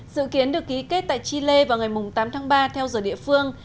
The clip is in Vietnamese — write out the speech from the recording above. dự kiến được ký kết tại chile vào ngày tám tháng ba theo giờ địa phương